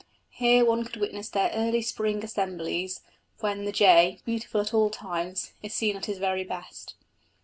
Here one could witness their early spring assemblies, when the jay, beautiful at all times, is seen at his very best.